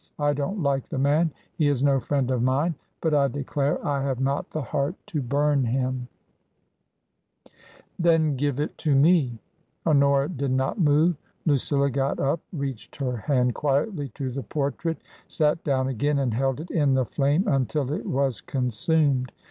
I don't like the man; he is no friend of mine ; but I declare I have not the heart to bum him." r 22* 258 TRANSITION. " Then give it to me/* Honora did not move. Lucilla got up, reached her hand quietly to the portrait, sat down again, and held it in the dame until it was consumed.